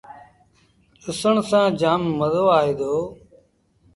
ڏسن سآݩ جآم مزو آئي دو۔